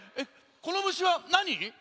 この虫はなに？